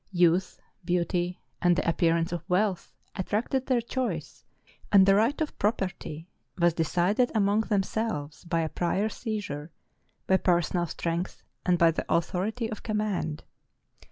Youth, beauty, and the appearance of wealth attracted their choice, and the right of property was de cided among themselves by a prior seizure, by personal strength, and by the authority of command.